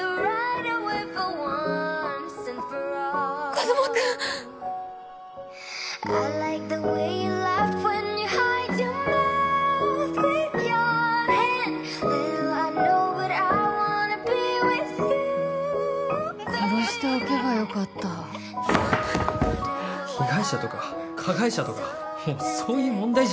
コスモくん殺しておけばよかった被害者とか加害者とかもうそういう問題じゃねぇんだよ